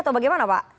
atau bagaimana pak